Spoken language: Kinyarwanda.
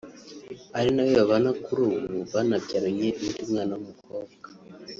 ari nawe babana kuri ubu banabyaranye undi umwana w’umukobwa